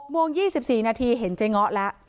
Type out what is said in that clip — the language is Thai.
โมง๒๔นาทีเห็นเจ๊ง้อแล้ว